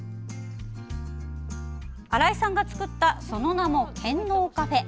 新井さんが作ったその名も健脳カフェ。